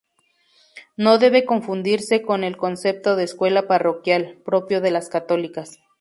No debe confundirse con el concepto de escuela parroquial, propio de las católicas.